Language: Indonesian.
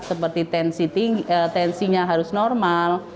seperti tensinya harus normal